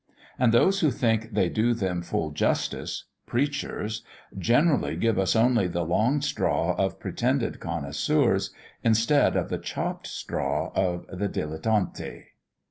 And those who think they do them full justice preachers generally give us only the long straw of pretended connoisseurs, instead of the chopped straw of the dilettanti."